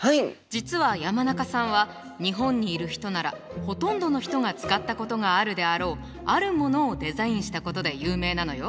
実は山中さんは日本にいる人ならほとんどの人が使ったことがあるであろうあるものをデザインしたことで有名なのよ。